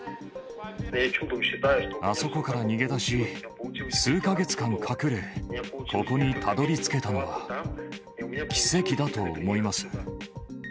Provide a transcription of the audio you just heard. あそこから逃げ出し、数か月間隠れ、ここにたどりつけたのは奇跡だと思います。